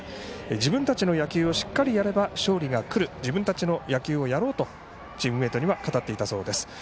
自分たちの野球をしっかりやれば勝利が来る自分たちの野球をやろうとチームメートには語っていたそうです。